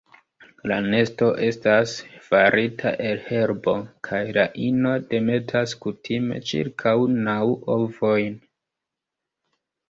La nesto estas farita el herbo kaj la ino demetas kutime ĉirkaŭ naŭ ovojn.